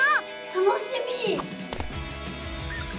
楽しみ！